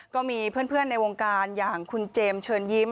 ก็มีเพื่อนในวงการอย่างคุณเจมส์เชิญยิ้ม